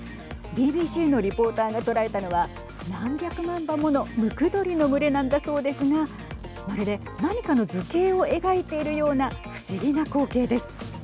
ＢＢＣのリポーターが捉えたのは何百万羽もの、ムクドリの群れなんだそうですがまるで何かの図形を描いているような不思議な光景です。